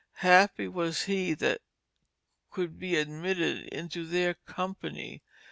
Happy was he that could be admitted into their Company.